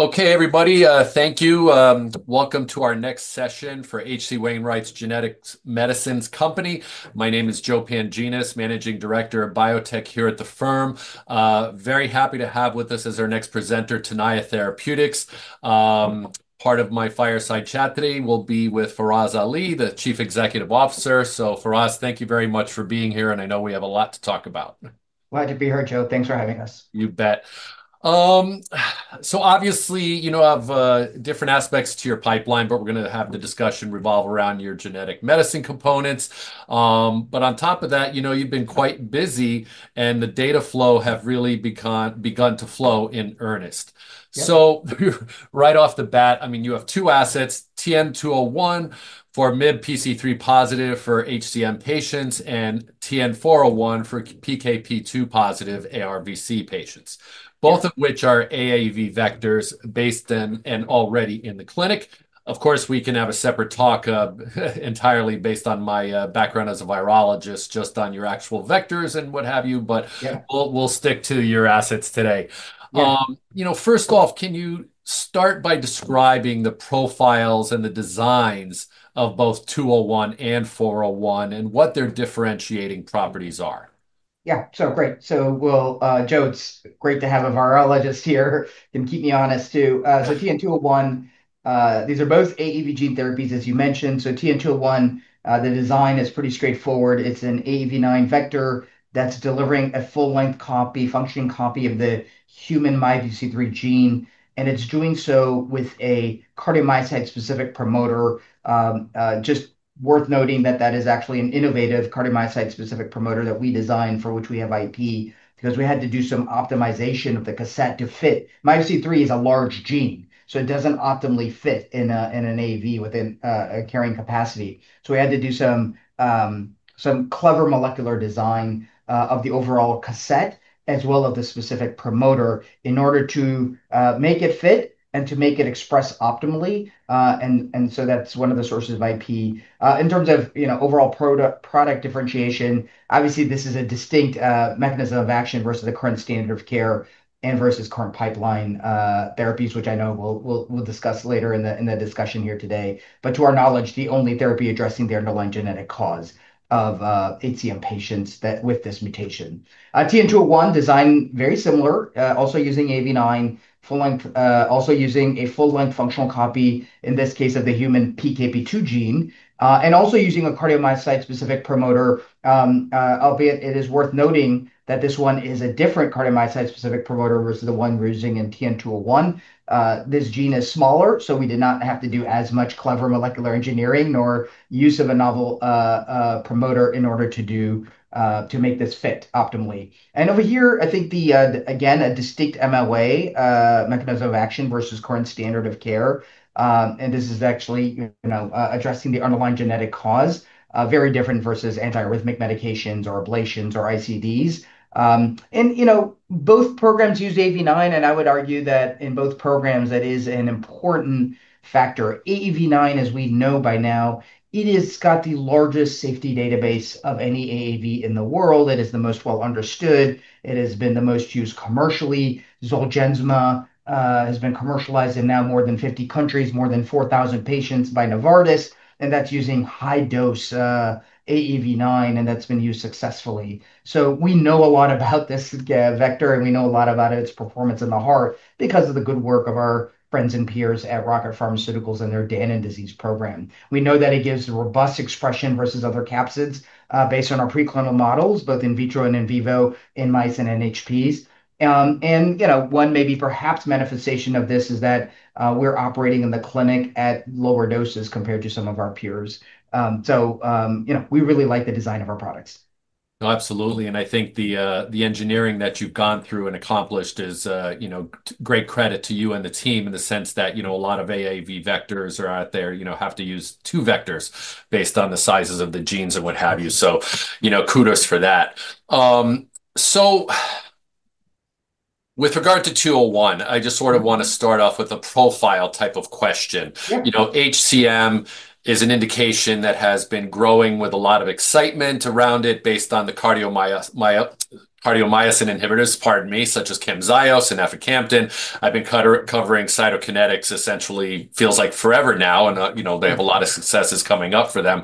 Okay everybody, thank you. Welcome to our next session for H.C. Wainwright's Genetics Medicines Company. My name is Joe Panginas, Managing Director of Biotech here at the firm. Very happy to have with us as our next presenter, Tenaya Therapeutics. Part of my fireside chat today will be with Faraz Ali, the Chief Executive Officer. Faraz, thank you very much for being here and I know we have a lot to talk about. Glad to be here, Joe. Thanks for having us. You bet. Obviously, you know of different aspects to your pipeline, but we're going to have the discussion revolve around your genetic medicine components. On top of that, you've been quite busy and the data have really begun to flow in earnest. Right off the bat, you have two assets, TN-201 for MYBPC3-positive HCM patients and TN-401 for PKP2-positive ARVC patients, both of which are AAV9-based vectors and already in the clinic. Of course, we can have a separate talk entirely based on my background as a virologist, just on your actual vectors and what have you. We'll stick to your assets today. First off, can you start by describing the profiles and the designs of both TN-201 and TN-401 and what their differentiating properties are? Yeah. Great. Joe, it's great to have a virologist here and keep me honest too. TN-201, these are both AAV gene therapies as you mentioned. TN-201, the design is pretty straightforward. It's an AAV9 vector that's delivering a full-length copy, functioning copy of the human MYBPC3 gene and it's doing so with a cardiomyocyte-specific promoter. Just worth noting that that is actually an innovative cardiomyocyte-specific promoter that we designed for which we have IP because we had to do some optimization of the cassette to fit. MYBPC3 is a large gene, so it doesn't optimally fit in an AAV within a carrying capacity. We had to do some clever molecular design of the overall cassette as well as the specific promoter in order to make it fit and to make it express optimally. That's one of the sources of IP in terms of overall product differentiation. Obviously, this is a distinct mechanism of action versus the current standard of care and versus current pipeline therapies, which I know we'll discuss later in the discussion here today. To our knowledge, the only therapy addressing the underlying genetic cause of HCM patients with this mutation. TN-401 designed very similar, also using AAV9, also using a full-length functional copy in this case of the human PKP2 gene and also using a cardiomyocyte-specific promoter, albeit it is worth noting that this one is a different cardiomyocyte-specific promoter versus the one we're using in TN-201. This gene is smaller. We did not have to do as much clever molecular engineering nor use of a novel promoter in order to make this fit optimally. Over here, I think again a distinct mechanism of action versus current standard of care. This is actually addressing the underlying genetic cause, very different versus antiarrhythmic medications or ablations or ICDs. Both programs use AAV9 and I would argue that in both programs that is an important factor. AAV9, as we know by now, has got the largest safety database of any AAV in the world. It is the most well understood, it has been the most used commercially. Zolgensma has been commercialized in now more than 50 countries, more than 4,000 patients by Novartis and that's using high-dose AAV9 and that's been used successfully. We know a lot about this vector and we know a lot about its performance in the heart because of the good work of our friends and peers at Rocket Pharmaceuticals and their Danon disease program. We know that it gives robust expression versus other capsids based on our preclinical models, both in vitro and in vivo in mice and NHPs. One perhaps manifestation of this is that we're operating in the clinic at lower doses compared to some of our peers. We really like the design of our products. Absolutely. I think the engineering that you've gone through and accomplished is great credit to you and the team in the sense that a lot of AAV vectors are out there. You have to use two vectors based on the sizes of the genes and what have you. Kudos for that. With regard to 201, I just sort of want to start off with a profile type of question. HCM is an indication that has been growing with a lot of excitement around it based on the cardiomyosin inhibitors, pardon me, such as Camzyos and aficamten. I've been covering Cytokinetics essentially feels like forever now. They have a lot of successes coming up for them.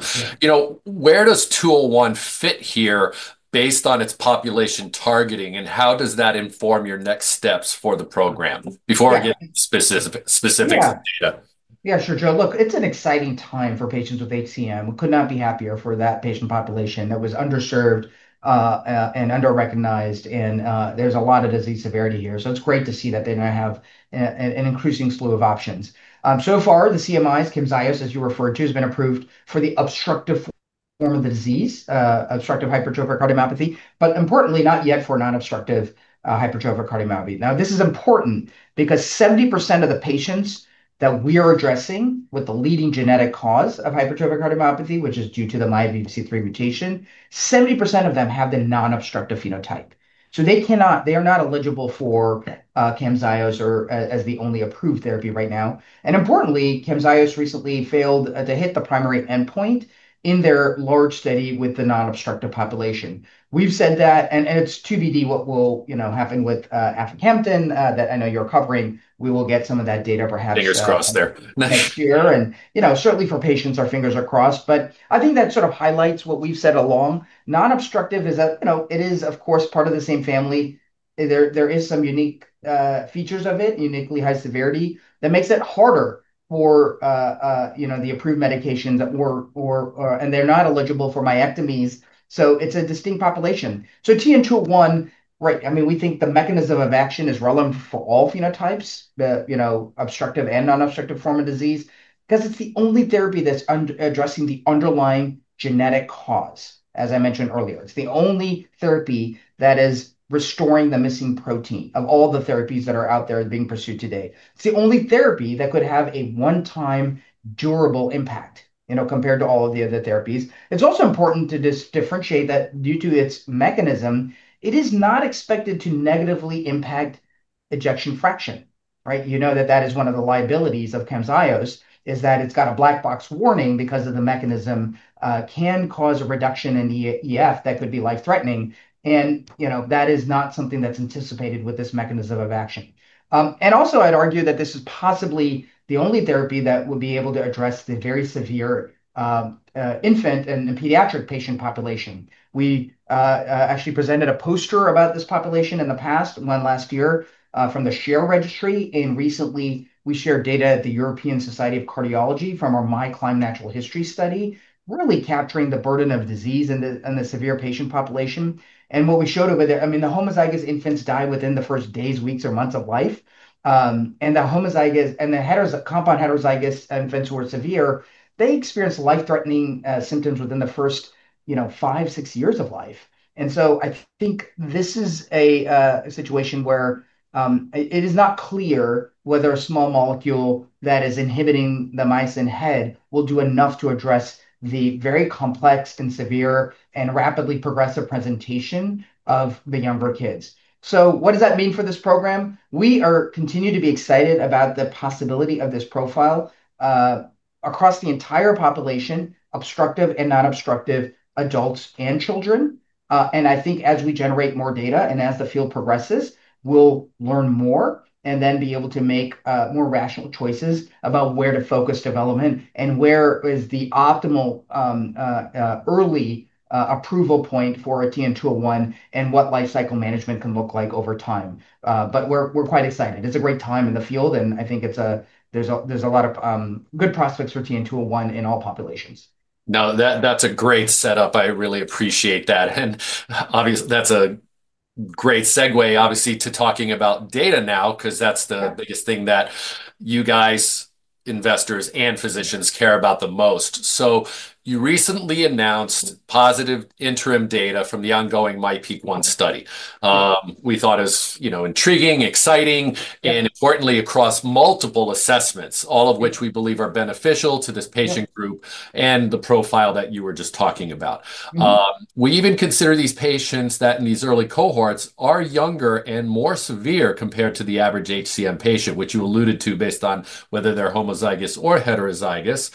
Where does 201 fit here based on its population targeting, and how does that inform your next steps for the program before we get specific data? Yeah, sure, Joe. Look, it's an exciting time for patients with HCM. We could not be happier for that patient population that was underserved and underrecognized, and there's a lot of disease severity here. It's great to see that they now have an increasing slew of options. So far, the CMIs, Camzyos, as you referred to, has been approved for the obstructive form of the disease, obstructive hypertrophic cardiomyopathy, but importantly not yet for non-obstructive hypertrophic cardiomyopathy. This is important because 70% of the patients that we are addressing with the leading genetic cause of hypertrophic cardiomyopathy, which is due to the MYBPC3 mutation, 70% of them have the non-obstructive phenotype. They cannot, they are not eligible for Camzyos, or as the only approved therapy right now. Importantly, Camzyos recently failed to hit the primary endpoint in their large study with the non-obstructive population. We've said that, and it's to be what will happen with aficamten that I know you're covering. We will get some of that data, perhaps, fingers crossed, there next year, and certainly for patients, our fingers are crossed. I think that sort of highlights what we've said along non-obstructive is that it is, of course, part of the same family. There are some unique features of it, uniquely high severity that makes it harder for the approved medications, and they're not eligible for myectomies. It's a distinct population. TN-201, right. I mean, we think the mechanism of action is relevant for all phenotypes, the obstructive and non-obstructive form of disease, because it's the only therapy that's addressing the underlying genetic cause. As I mentioned earlier, it's the only therapy that is restoring the missing protein. Of all the therapies that are out there being pursued today, it's the only therapy that could have a one-time durable impact compared to all of the other therapies. It's also important to just differentiate that due to its mechanism, it is not expected to negatively impact ejection fraction. That is one of the liabilities of Camzyos, is that it's got a black box warning because the mechanism can cause a reduction in EF that could be life-threatening. That is not something that's anticipated with this mechanism of action. Also, I'd argue that this is possibly the only therapy that would be able to address the very severe infant and pediatric patient population. We actually presented a poster about this population in the past, one last year from the Share registry. Recently, we shared data at the European Society of Cardiology from our MyClimb natural history study, really capturing the burden of disease and the severe patient population. What we showed over there, I mean, the homozygous infants die within the first days, weeks, or months of life, and the homozygous and the compound heterozygous events who are severe, they experience life-threatening symptoms within the first five, six years of life. I think this is a situation where it is not clear whether a small molecule that is inhibiting the myosin head will do enough to address the very complex and severe and rapidly progressive presentation of the younger kids. What does that mean for this program? We continue to be excited about the possibility of this profile across the entire population, obstructive and non-obstructive adults and children. I think as we generate more data and as the field progresses, we'll learn more and then be able to make more rational choices about where to focus development and where is the optimal early approval point for TN-201 and what life cycle management can look like over time. We're quite excited. It's a great time in the field, and I think there's a lot of good prospects for TN-201 in all populations. That's a great setup. I really appreciate that. Obviously, that's a great segue to talking about data now because that's the biggest thing that you guys, investors and physicians, care about the most. You recently announced positive interim data from the ongoing MyPeak-1 study, which we thought is intriguing, exciting, and importantly, across multiple assessments, all of which we believe are beneficial to this patient group and the profile that you were just talking about. We even consider these patients in these early cohorts are younger and more severe compared to the average HCM patient, which you alluded to based on whether they're homozygous or heterozygous.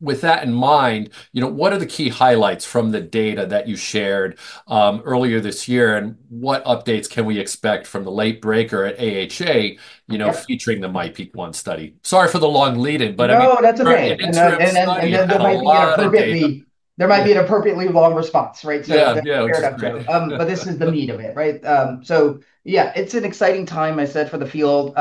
With that in mind, what are the key highlights from the data that you shared earlier this year and what updates can we expect from the late breaker at AHA featuring the MyPeak-1 study? Sorry for the long lead in, but. There might be an appropriately long response. Right. This is the meat of it. Right. Yeah, it's an exciting time, I said for the field.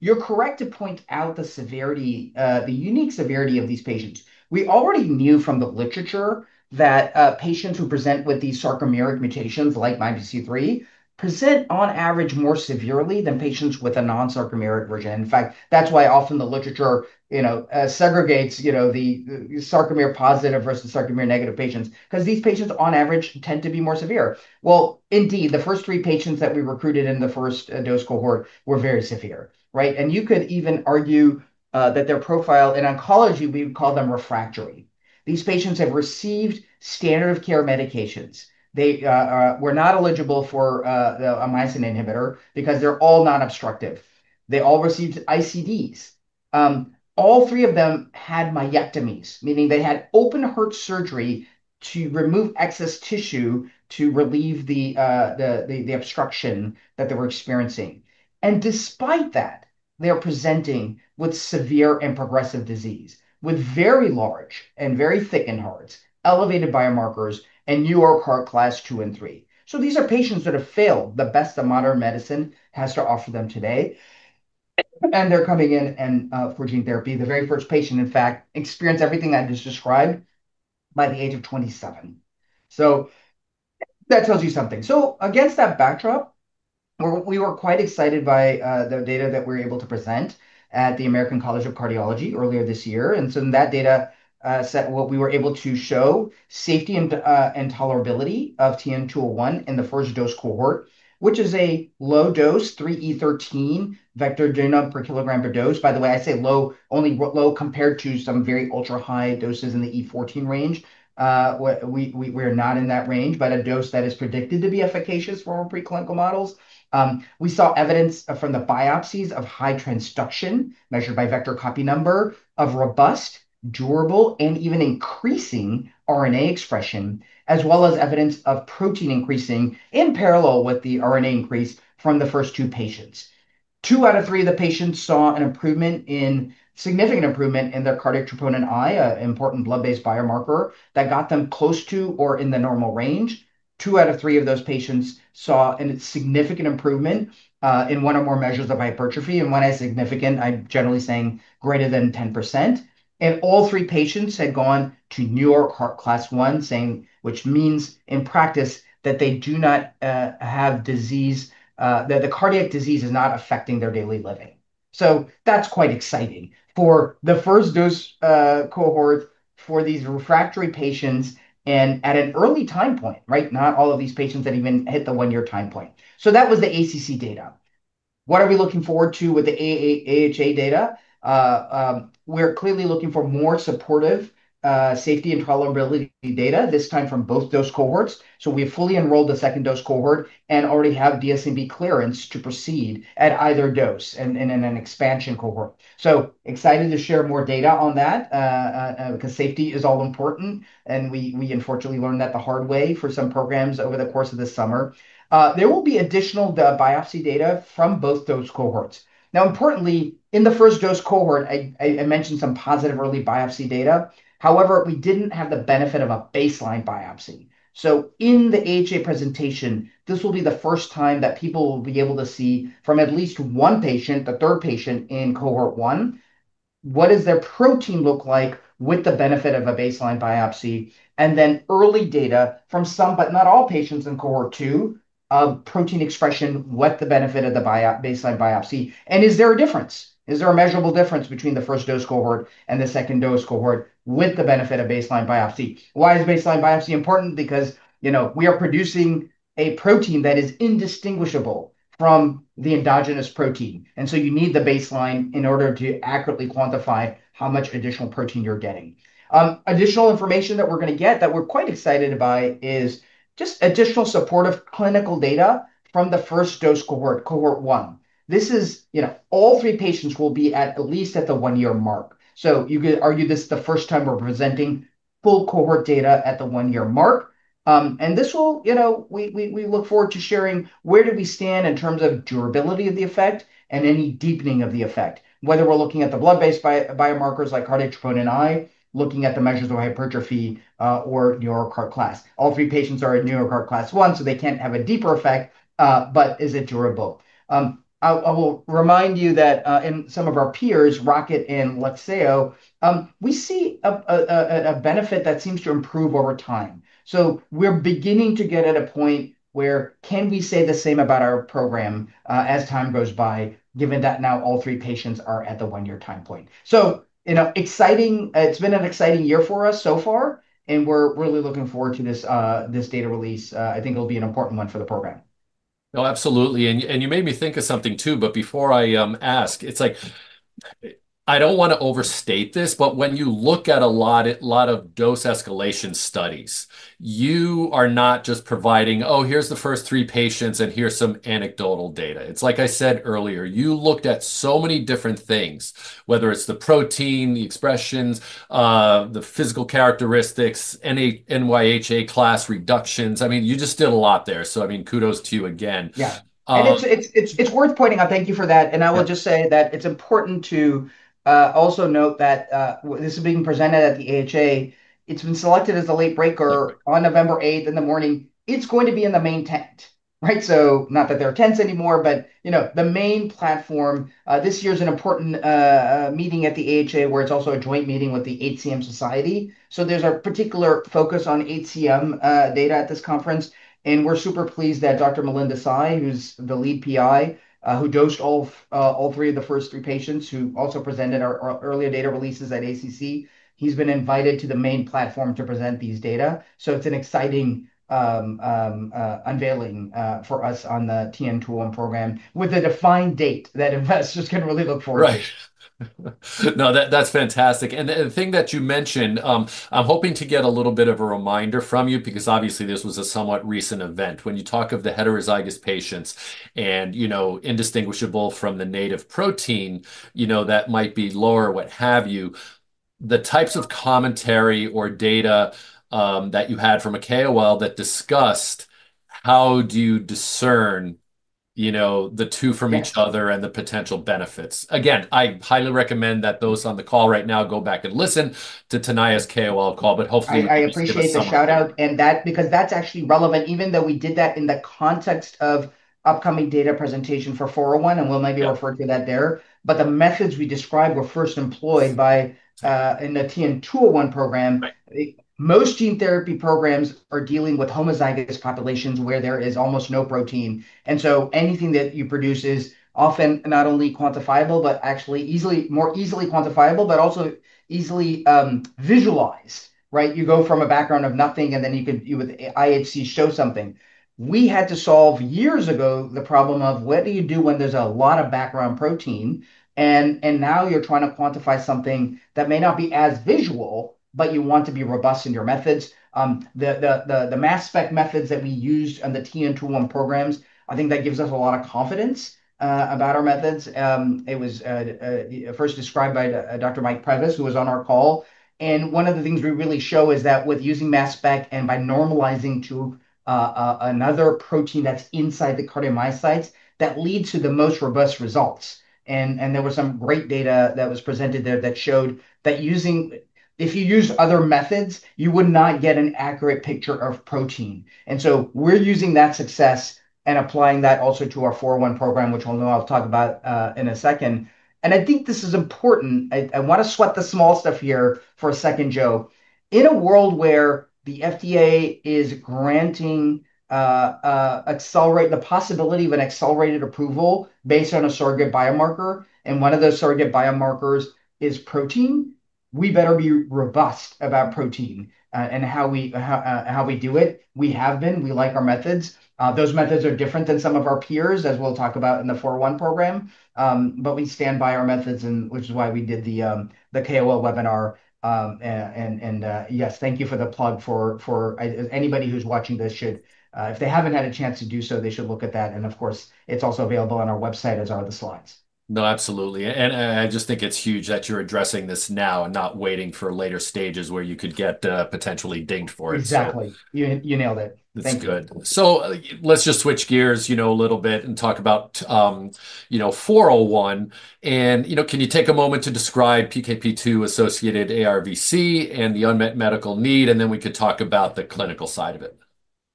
You're correct to point out the severity, the unique severity of these patients. We already knew from the literature that patients who present with these sarcomeric mutations like MYBPC3 present on average more severely than patients with a non-sarcomeric version. In fact, that's why often the literature segregates the sarcomere positive versus sarcomere negative patients, because these patients on average tend to be more severe. The first three patients that we recruited in the first dose cohort were very severe. You could even argue that their profile in oncology, we call them refractory. These patients have received standard of care medications. They were not eligible for a myosin inhibitor because they're all non-obstructive. They all received ICDs. All three of them had myectomies, meaning they had open heart surgery to remove excess tissue to relieve the obstruction that they were experiencing. Despite that, they are presenting with severe and progressive disease with very large and very thick and hard elevated biomarkers and New York Heart Class 2 and 3. These are patients that have failed the best that modern medicine has to offer them today. They're coming in and for gene therapy, the very first patient, in fact, experienced everything I just described by the age of 27. That tells you something. Against that backdrop, we were quite excited by the data that we were able to present at the American Heart Association earlier this year. That data set, what we were able to show, safety and tolerability of TN-201 in the first dose cohort, which is a low dose 3E13 vector genome per kilogram per dose. By the way, I say only low compared to some very ultra high doses in the E14 range. We're not in that range, but a dose that is predicted to be efficacious for preclinical models. We saw evidence from the biopsies of high transduction measured by vector copy number, of robust, durable and even increasing RNA expression, as well as evidence of protein increasing in parallel with the RNA increase from the first two patients. Two out of three of the patients saw an improvement, a significant improvement, in their cardiac troponin I, an important blood-based biomarker that got them close to or in the normal range. Two out of three of those patients saw a significant improvement in one or more measures of hypertrophy, and when I say significant, I'm generally saying greater than 10%. All three patients had gone to New York Heart Class I, which means in practice that they do not have disease, that the cardiac disease is not affecting their daily living. That's quite exciting for the first dose cohort for these refractory patients and at an early time point. Not all of these patients have even hit the one year time point. That was the ACC data. What are we looking forward to with the AHA data? We're clearly looking for more supportive safety and tolerability data, this time from both dose cohorts. We fully enrolled the second dose cohort and already have DSMB clearance to proceed at either dose and in an expansion cohort. Excited to share more data on that because safety is all important. We unfortunately learned that the hard way for some programs over the course of this summer. There will be additional biopsy data from both dose cohorts. Importantly, in the first dose cohort I mentioned some positive early biopsy data. However, we didn't have the benefit of a baseline biopsy. In the AHA presentation, this will be the first time that people will be able to see from at least one patient, the third patient in Cohort 1, what does their protein look like with the benefit of a baseline biopsy and then early data from some but not all patients in Cohort 2 of protein expression, with the benefit of the baseline biopsy. Is there a difference, is there a measurable difference between the first dose cohort and the second dose cohort with the benefit of baseline biopsy? Why is baseline biopsy important? Because we are producing a protein that is indistinguishable from the endogenous protein, and you need the baseline in order to accurately quantify how much additional protein you're getting. Additional information that we're going to get that we're quite excited about is just additional supportive clinical data from the first dose cohort. Cohort 1, all three patients will be at least at the one year mark. You could argue this is the first time we're presenting full cohort data at the one year mark. We look forward to sharing. Where do we stand in terms of durability of the effect and any deepening of the effect, whether we're looking at the blood-based biomarkers like cardiac troponin I, looking at the measures of hypertrophy or your class? All three patients are at New York Heart Association Class 1, so they can't have a deeper effect. Is it durable? I will remind you that in some of our peers, Rocket Pharmaceuticals and Lexeo Therapeutics, we see a benefit that seems to improve over time. We're beginning to get at a point where we can say the same about our program as time goes by, given that now all three patients are at the one-year time point. It's been an exciting year for us so far and we're really looking forward to this data release. I think it'll be an important one for the program. Absolutely. You made me think of something too. Before I ask, I don't want to overstate this, but when you look at a lot of dose escalation studies, you are not just providing, oh, here's the first three patients and here's some anecdotal data. Like I said earlier, you looked at so many different things, whether it's the protein, the expressions, the physical characteristics, NYHA class reductions. You just did a lot there. Kudos to you again. Yeah, it's worth pointing out. Thank you for that. I will just say that it's important to also note that this is being presented at the AHA. It's been selected as a late breaker on November 8th in the morning. It's going to be in the main tent, right? Not that there are tents anymore, but you know, the main platform this year is an important meeting at the AHA where it's also a joint meeting with the HCM Society. There's a particular focus on HCM data at this conference. We're super pleased that Dr. Melinda Tsai, who's the lead PI who dosed all three of the first three patients and who also presented our earlier data releases at ACC, has been invited to the main platform to present these data. It's an exciting unveiling for us on the TN-201 program with a defined date that investors can really. That's fantastic. The thing that you mentioned, I'm hoping to get a little bit of a reminder from you because obviously this was a somewhat recent event. When you talk of the heterozygous patients and, you know, indistinguishable from the native protein, you know, that might be lower. What have you, the types of commentary or data that you had from a KOL that discussed how do you discern, you know, the two from each other and the potential benefits. Again, I highly recommend that those on the call right now go back and listen to Tenaya's KOL call. Hopefully I appreciate the shout out and that because that's actually relevant. Even though we did that in the context of upcoming data presentation for TN-401 and we'll maybe refer to that there. The methods we described were first employed in the TN-201 program. Most gene therapy programs are dealing with homozygous populations where there is almost no protein, and so anything that you produce is often not only quantifiable, but actually more easily quantifiable and also easily visualized. You go from a background of nothing and then you could, with IHC, show something. We had to solve years ago the problem of what do you do when there's a lot of background protein, and now you're trying to quantify something that may not be as visual but you want to be robust in your methods. The mass spec methods that we used on the TN-201 programs, I think that gives us a lot of confidence about our methods. It was first described by Dr. Mike Previs, who was on our call. One of the things we really show is that with using mass spec and by normalizing to another protein that's inside the cardiomyocytes, that leads to the most robust results. There was some great data that was presented there that showed that if you use other methods, you would not get an accurate picture of protein. We're using that success and applying that also to our TN-401 program, which I'll talk about in a second. I think this is important. I want to sweat the small stuff here for a second, Joe. In a world where the FDA is granting the possibility of an accelerated approval based on a surrogate biomarker, and one of those surrogate biomarkers is protein, we better be robust about protein and how we do it. We have been. We like our methods. Those methods are different than some of our peers, as we'll talk about in the TN-401 program. We stand by our methods, which is why we did the KOL webinar, and yes, thank you for the plug. For anybody who's watching this, if they haven't had a chance to do so, they should look at that. Of course, it's also available on our website, as are the slides. No, absolutely. I just think it's huge that you're addressing this now and not waiting for later stages where you could get potentially dinged for it. Exactly. You nailed it. Thank you. Let's just switch gears a little bit and talk about 401. Can you take a moment to describe PKP2-associated ARVC and the unmet medical need, and then we could talk about the clinical side of it?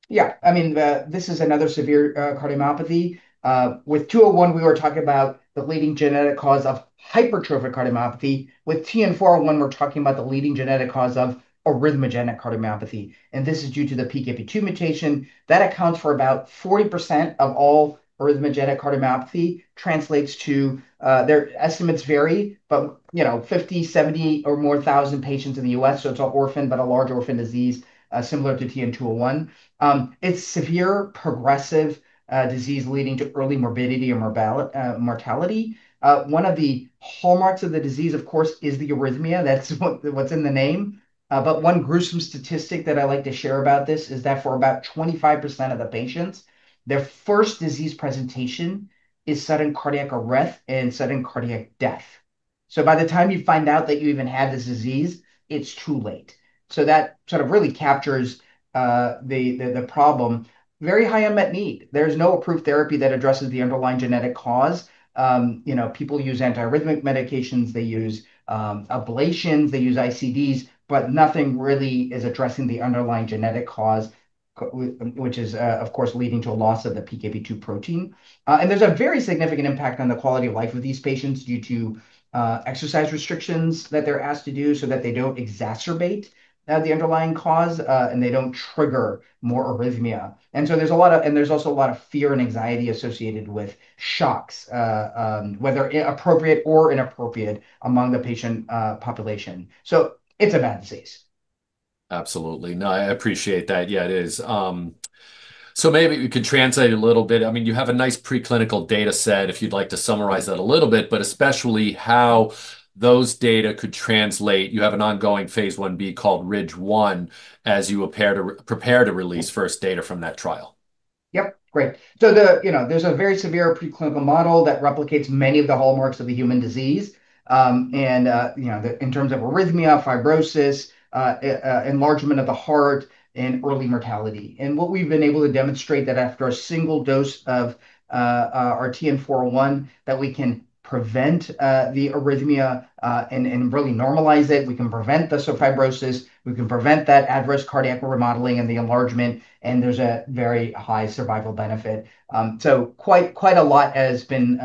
Yeah, I mean, this is another severe cardiomyopathy. With TN-201, we were talking about the leading genetic cause of hypertrophic cardiomyopathy. With TN-401, we're talking about the leading genetic cause of arrhythmogenic cardiomyopathy. This is due to the PKP2 mutation that accounts for about 40% of all arrhythmogenic cardiomyopathy. Their estimates vary, but, you know, 50,000, 70,000 or more patients in the U.S., so it's an orphan, but a large orphan disease similar to TN-201. It's a severe, progressive disease leading to early morbidity or mortality. One of the hallmarks of the disease, of course, is the arrhythmia. That's what's in the name. One gruesome statistic that I like to share about this is that for about 25% of the patients, their first disease presentation is sudden cardiac arrest and sudden cardiac death. By the time you find out that you even have this disease, it's too late. That really captures the problem. Very high unmet need. There's no approved therapy that addresses the underlying genetic cause. People use antiarrhythmic medications, they use ablations, they use ICDs, but nothing really is addressing the underlying genetic cause, which is, of course, leading to a loss of the PKP2 protein. There's a very significant impact on the quality of life of these patients due to exercise restrictions that they're asked to do, so that they don't exacerbate the underlying cause and they don't trigger more arrhythmia. There's also a lot of fear and anxiety associated with shocks, whether appropriate or inappropriate, among the patient population. It's a bad disease. Absolutely. No, I appreciate that. Yeah, it is. Maybe we could translate a little bit. I mean, you have a nice preclinical data set, if you'd like to summarize that a little bit, especially how those data could translate. You have an ongoing Phase 1b called RIDGE-1 as you prepare to release first data from that trial. Great. There's a very severe preclinical model that replicates many of the hallmarks of the human disease in terms of arrhythmia, fibrosis, enlargement of the heart, and early mortality. We've been able to demonstrate that after a single dose of our TN-401, we can prevent the arrhythmia and really normalize it. We can prevent the fibrosis, we can prevent that adverse cardiac remodeling and the enlargement, and there's a very high survival benefit. Quite a lot has been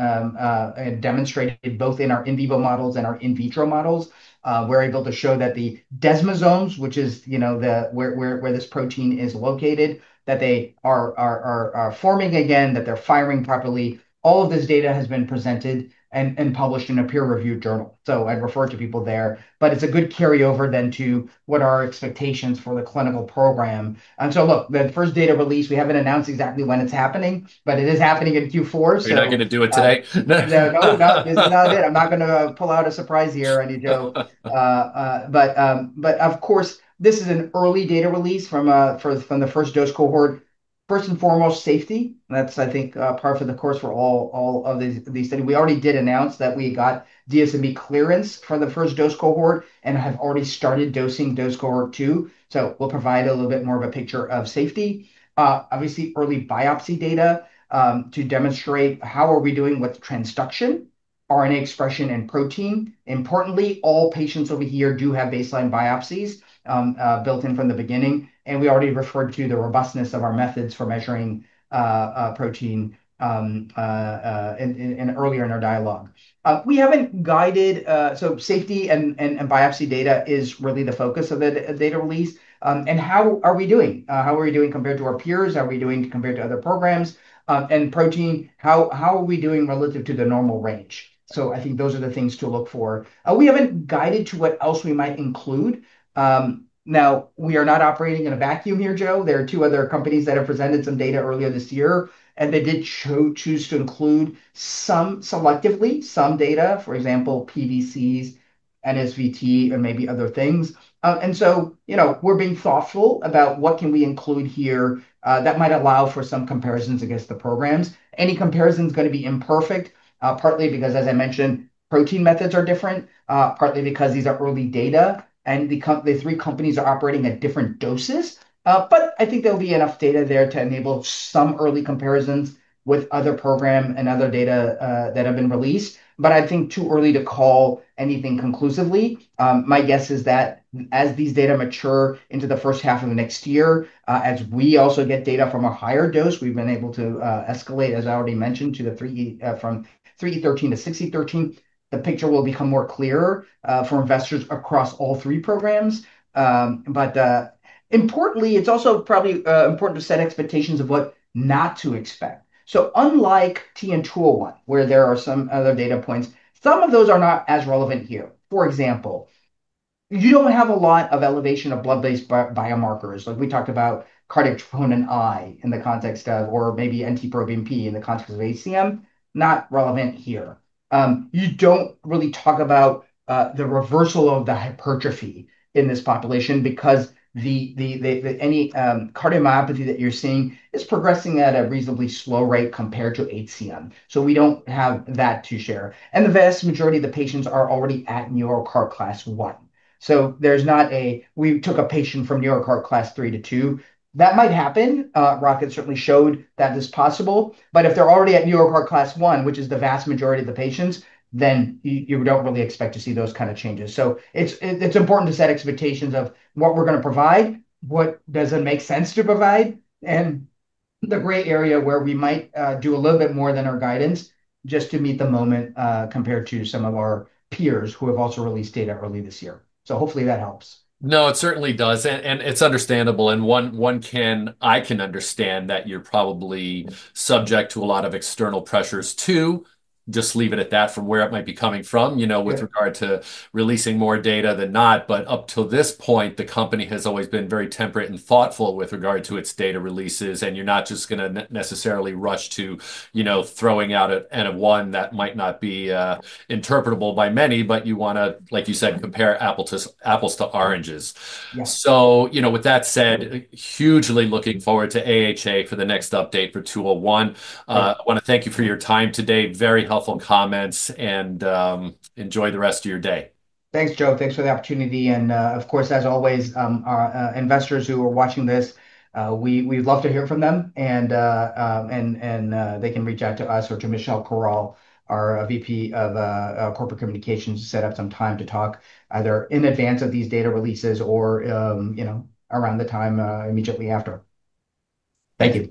demonstrated both in our in vivo models and our in vitro models. We're able to show that the desmosomes, which is where this protein is located, are forming again, that they're firing properly. All of this data has been presented and published in a peer-reviewed journal. I'd refer to people there. It's a good carryover then to what our expectations are for the clinical program. The first data release, we haven't announced exactly when it's happening, but it is happening in Q4. You're not going to do it today? I'm not going to pull out a surprise here, any joke, but of course this is an early data release from the first dose cohort. First and foremost, safety. That's, I think, par for the course for all of these studies. We already did announce that we got DSMB clearance for the first dose cohort and have already started dosing dose cohort 2. We'll provide a little bit more of a picture of safety. Obviously, early biopsy data to demonstrate how are we doing with transduction, RNA expression, and protein. Importantly, all patients over here do have baseline biopsies built in from the beginning, and we already referred to the robustness of our methods for measuring protein earlier in our dialogue. We haven't guided. Safety and biopsy data is really the focus of the data release. How are we doing? How are we doing compared to our peers? Are we doing compared to other programs and protein? How are we doing relative to the normal range? I think those are the things to look for. We haven't guided to what else we might include now. We are not operating in a vacuum here, Joe. There are two other companies that have presented some data earlier this year, and they did choose to include selectively some data, e.g., pDCS, NSVT, and maybe other things. We're being thoughtful about what can we include here that might allow for some comparisons against the programs. Any comparison is going to be imperfect, partly because, as I mentioned, protein methods are different, partly because these are early data and the three companies are operating at different doses. I think there'll be enough data there to enable some early comparisons with other program and other data that have been released. I think too early to call anything conclusively. My guess is that as these data mature into the first half of next year, as we also get data from a higher dose, we've been able to escalate, as I already mentioned, from 3.3e13 to 6e13. The picture will become more clear for investors across all three programs. Importantly, it's also probably important to set expectations of what not to expect. Unlike TN-201, where there are some other data points, some of those are not as relevant here. For example, you don't have a lot of elevation of blood-based biomarkers like we talked about cardiac troponin I in the context of, or maybe NT-proBNP in the context of ACM. Not relevant here. You don't really talk about the reversal of the hypertrophy in this population because any cardiomyopathy that you're seeing is progressing at a reasonably slow rate compared to HCM. We don't have that to share. The vast majority of the patients are already at New York Heart Class 1, so there's not a we took a patient from New York Heart Class 3 to 2 that might happen. Rocket certainly showed that is possible. If they're already at New York Heart Class 1, which is the vast majority of the patients, then you don't really expect to see those kind of changes. It's important to set expectations of what we're going to provide, what does it make sense to provide, and the gray area where we might do a little bit more than our guidance just to meet the moment compared to some of our peers who have also released data early this year. Hopefully that helps. No, it certainly does and it's understandable and I can understand that you're probably subject to a lot of external pressures too. Just leave it at that from where it might be coming from, you know, with regard to releasing more data than not. Up till this point the company has always been very temperate and thoughtful with regard to its data releases and you're not just going to necessarily rush to, you know, throwing out one that might not be interpretable by many. You want to, like you said, compare apples to apples to oranges. With that said, hugely looking forward to AHA for the next update for TN-201. I want to thank you for your time today. Very helpful comments and enjoy the rest of your day. Thanks, Joe. Thanks for the opportunity. As always, investors who are watching this, we'd love to hear from them and they can reach out to us or to Michelle Corral, our VP of Corporate Communications. Set up some time to talk either in advance of these data releases or around the time immediately after. Thank you.